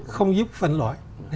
không giúp phân loại